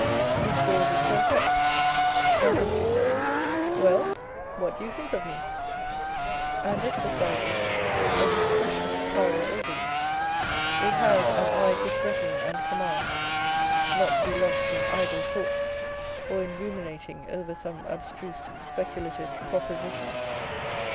It draws itself up, as if to say, " Well, what do you think of me ?" and exercises a discretionary power over you. It has " an eye to threaten and command," not to be lost in idle thought, or in ruminating over some abstruse, speculative proposition.